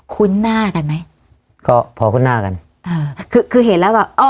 คุ้นหน้ากันไหมก็พอคุ้นหน้ากันอ่าคือคือเห็นแล้วแบบอ๋อ